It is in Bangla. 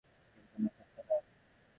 কিন্তু না, ঠাট্টা নয়।